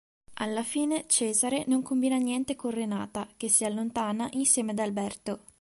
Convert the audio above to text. Alla fine Cesare non combina niente con Renata, che si allontana insieme ad Alberto.